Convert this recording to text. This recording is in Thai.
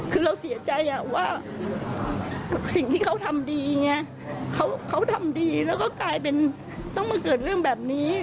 คือเราเสียใจว่าสิ่งที่เขาทำดีไงเขาทำดีแล้วก็กลายเป็นต้องมาเกิดเรื่องแบบนี้